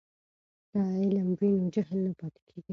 که علم وي نو جهل نه پاتې کیږي.